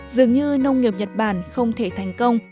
dường như nông nghiệp nhật bản không thể thành công